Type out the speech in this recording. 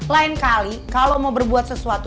lain kali kalau mau berbuat sesuatu